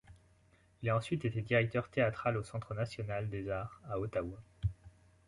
Il a ensuite été directeur théâtral au Centre national des arts à Ottawa.